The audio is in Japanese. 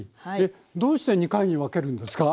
どうして２回に分けるんですか？